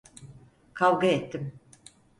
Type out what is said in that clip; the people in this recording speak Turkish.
Kavga ettim.